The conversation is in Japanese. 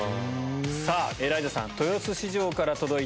さぁエライザさん。